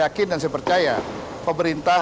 yakin dan saya percaya pemerintah